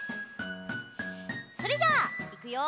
それじゃあいくよ！